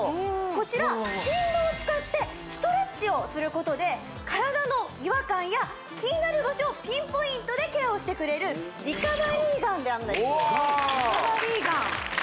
こちら振動を使ってストレッチをすることで体の違和感や気になる場所をピンポイントでケアをしてくれるリカバリーガンなんですリカバリーガン？